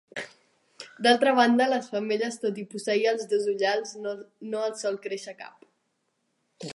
D'altra banda, les femelles tot i posseir els dos ullals, no els sol créixer cap.